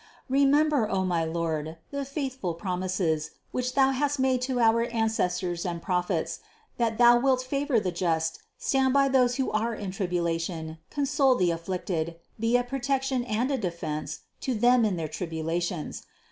Remember, O my Lord, the faithful promises, which Thou hast made to our Ancestors and Prophets, that Thou wilt favor the just, stand by those who are in tribulation, console the afflicted, be a protection 516 CITY OF GOD and a defense to them in their tribulations.